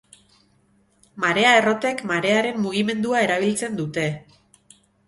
Marea-errotek marearen mugimendua erabiltzen dute.